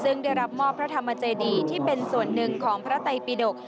ซึ่งได้รับมอบพระธรรมเจดีที่เป็นส่วนหนึ่งของพระไตปิดก